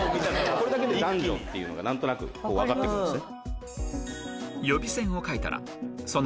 これだけで男女というのが何となく分かって来るんですね。